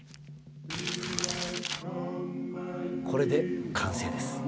これで完成です。